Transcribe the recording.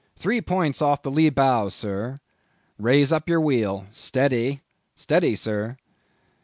"Three points off the lee bow, sir." "Raise up your wheel. Steady!" "Steady, sir."